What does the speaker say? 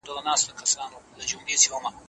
د مينې ډيوې بلې کړو.